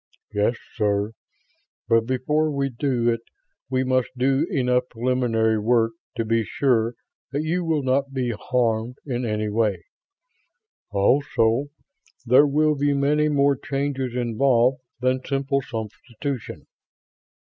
"Yes, sir. But before we do it we must do enough preliminary work to be sure that you will not be harmed in any way. Also, there will be many more changes involved than simple substitution."